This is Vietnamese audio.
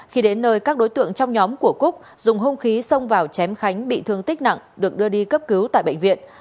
khi đến nơi các đối tượng trong nhóm của cúc dùng hung khí xông vào chém khánh bị thương tích nặng được đưa đi cấp cứu tại bệnh viện